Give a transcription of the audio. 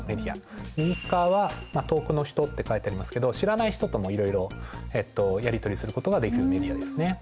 右側は遠くの人って書いてありますけど知らない人ともいろいろやりとりすることができるメディアですね。